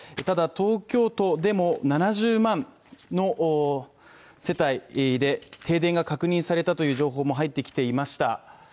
ただ東京都でも７０万の大世帯で停電が確認されたという情報も入ってきていました。